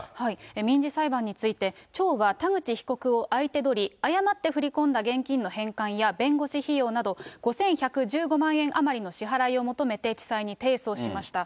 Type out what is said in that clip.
民事裁判について、町は田口被告を相手取り、誤って振り込んだ現金の返還や弁護士費用など、５１１５万円余りの支払いを求めて地裁に提訴しました。